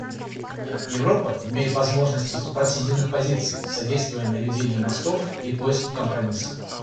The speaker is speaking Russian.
Европа имеет возможность выступать с единых позиций, содействуя наведению мостов и поиску компромисса.